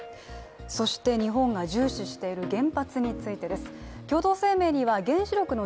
そして、日本が重視している原発についてです。